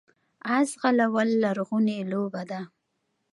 اس ځغلول لرغونې لوبه ده